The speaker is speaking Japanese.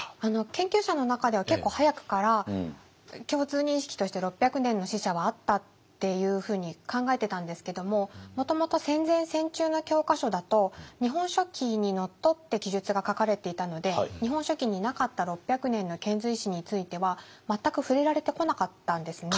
研究者の中では結構早くから共通認識として６００年の使者はあったっていうふうに考えてたんですけどももともと戦前戦中の教科書だと「日本書紀」にのっとって記述が書かれていたので「日本書紀」になかった６００年の遣隋使については全く触れられてこなかったんですね。